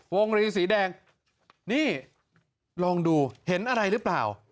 รีสีแดงนี่ลองดูเห็นอะไรหรือเปล่า